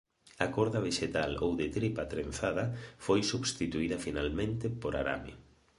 A corda vexetal ou de tripa trenzada foi substituída finalmente por arame.